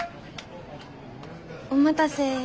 お待たせ。